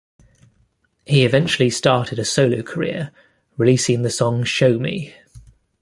He eventually started a solo career, releasing the song "Show Me".